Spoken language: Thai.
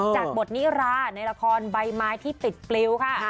จากบทนิราในละครใบไม้ที่ปิดปลิวค่ะ